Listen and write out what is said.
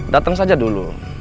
dateng saja dulu